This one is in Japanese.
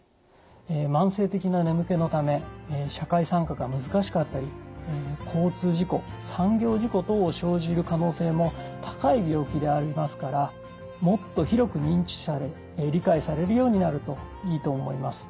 慢性的な眠気のため社会参加が難しかったり交通事故産業事故等を生じる可能性も高い病気でありますからもっと広く認知され理解されるようになるといいと思います。